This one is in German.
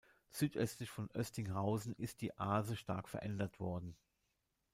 Südöstlich von Oestinghausen ist die Ahse stark verändert worden.